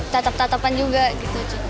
tatap tatapan juga gitu